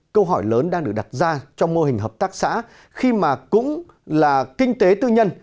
câu hỏi lớn đang được đặt ra trong mô hình hợp tác xã khi mà cũng là kinh tế tư nhân